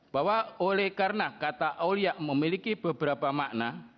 bahwa oleh karena kata awliya memiliki beberapa makna